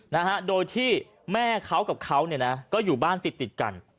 จากนั้นแม่เขากับเขาก็อยู่บ้านติดกัน